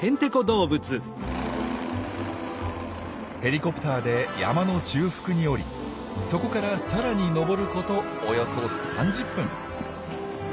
ヘリコプターで山の中腹に降りそこからさらに登ることおよそ３０分。